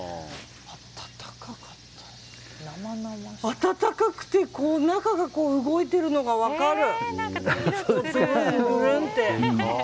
温かくて中が動いてるのが分かる。